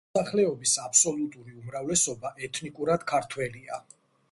მოსახლეობის აბსოლუტური უმრავლესობა ეთნიკურად ქართველია.